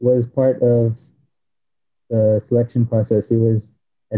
alex adalah bagian dari proses seleksi